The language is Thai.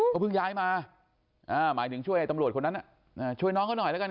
เขาเพิ่งย้ายมาหมายถึงช่วยตำรวจคนนั้นช่วยน้องเขาหน่อยแล้วกัน